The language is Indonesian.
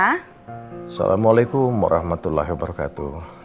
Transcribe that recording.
assalamualaikum warahmatullahi wabarakatuh